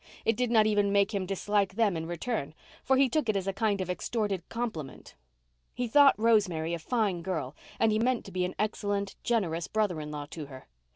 It did not even make him dislike them in return, for he took it as a kind of extorted compliment. He thought Rosemary a fine girl, and he meant to be an excellent, generous brother in law to her.